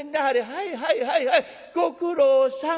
はいはいはいはいご苦労さん。